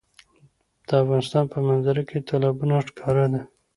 د افغانستان په منظره کې تالابونه ښکاره ده.